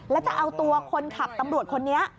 แล้วจะเอาตัวคนขับตำรวจคนนี้